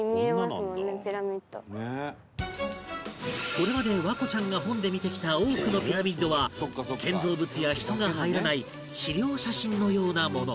これまで環子ちゃんが本で見てきた多くのピラミッドは建造物や人が入らない資料写真のようなもの